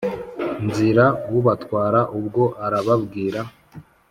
nzira ubatwara ubwo arababwira